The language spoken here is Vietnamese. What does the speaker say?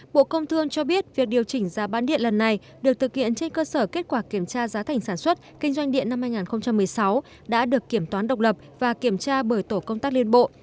bộ công thương cho biết việc điều chỉnh giá bán điện lần này được thực hiện trên cơ sở kết quả kiểm tra giá thành sản xuất kinh doanh điện năm hai nghìn một mươi sáu đã được kiểm toán độc lập và kiểm tra bởi tổ công tác liên bộ